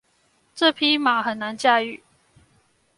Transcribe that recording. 這匹馬很難駕馭